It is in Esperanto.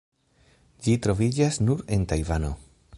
Ĝi troviĝas nur en Tajvano.